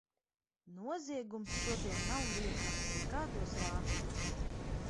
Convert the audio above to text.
Noziegums šodien nav liekams nekādos rāmjos.